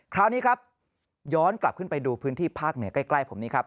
คราวนี้ครับย้อนกลับขึ้นไปดูพื้นที่ภาคเหนือใกล้ผมนี่ครับ